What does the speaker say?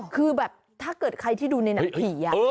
คือแบบถ้าเกิดใครที่ดูในหนังผี